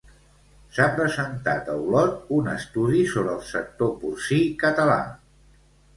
S'ha presentat a Olot un estudi sobre el sector porcí català.